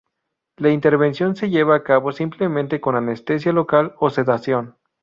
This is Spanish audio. La intervención se lleva a cabo simplemente con anestesia local o sedación.